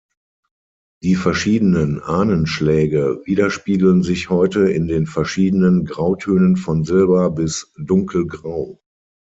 Die verschiedenen Ahnen-Schläge widerspiegeln sich heute in den verschiedenen Grautönen von silber- bis dunkelgrau.